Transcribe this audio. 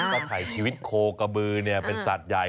ก็ถ่ายชีวิตโคกระบือเป็นสัตว์ใหญ่